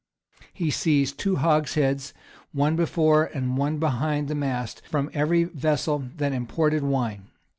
[] He seized two hogsheads, one before and one behind the mast, from every vessel that imported wine.